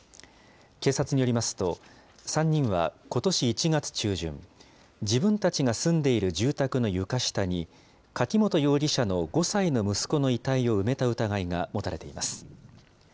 警察によりますと、３人はことし１月中旬、自分たちが住んでいる住宅の床下に、柿本容疑者の５歳の息子の遺体を埋めた疑いが持たれています。